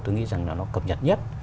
tôi nghĩ rằng là nó cập nhật nhất